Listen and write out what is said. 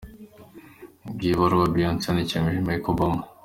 Ngiyo ibaruwa Beyonce yandikiye Michelle Obama.